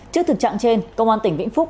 trước thực trạng trên công an tỉnh vĩnh phúc